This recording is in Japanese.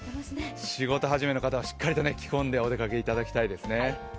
仕事始めの方はしっかりと着込んでお出かけしていただきたいですね。